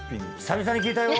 久々に聞いたよ。